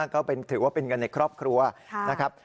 ก็ถือว่าเป็นเงินในครอบครัวนะครับ